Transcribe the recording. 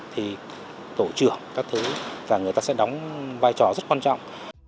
thì tổ trưởng các thứ và người ta sẽ đóng vai trò rất quan trọng